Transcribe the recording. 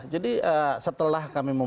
jadi setelah kami membunuh